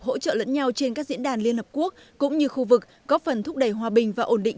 hỗ trợ lẫn nhau trên các diễn đàn liên hợp quốc cũng như khu vực góp phần thúc đẩy hòa bình và ổn định